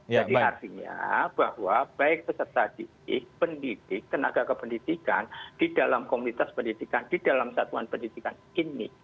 jadi artinya bahwa baik peserta didik pendidik tenaga kependidikan di dalam komunitas pendidikan di dalam satuan pendidikan ini